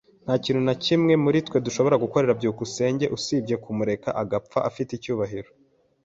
Nta kintu na kimwe muri twe dushobora gukorera byukusenge ubu usibye kumureka agapfa afite icyubahiro.